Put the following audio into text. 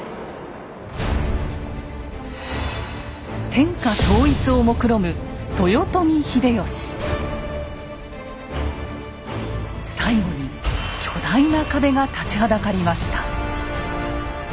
天下統一をもくろむ最後に巨大な壁が立ちはだかりました。